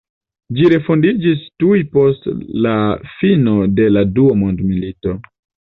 Ĝi refondiĝis tuj post la fino de la Dua Mondmilito.